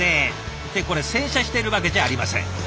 ってこれ洗車してるわけじゃありません。